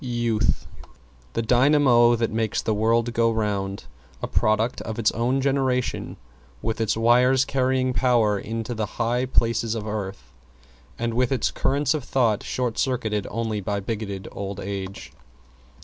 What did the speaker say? =YOUTH= The dynamo that makes the world go round; a product of its own generation, with its wires carrying Power into the high places of Earth and with its currents of Thought short circuited only by bigoted Old Age.